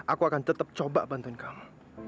aku akan tetap mencoba untuk membantu kamu